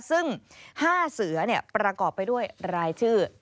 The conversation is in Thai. ซึ่ง๕เสือประกอบไปด้วยรายชื่อ